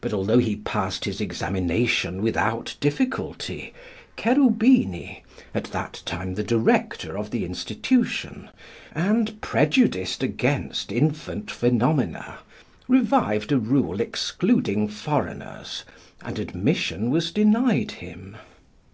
But although he passed his examination without difficulty, Cherubini, at that time the director of the institution and prejudiced against infant phenomena, revived a rule excluding foreigners and admission was denied him.